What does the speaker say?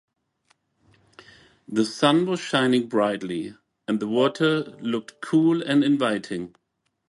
The sun was shining brightly, and the water looked cool and inviting.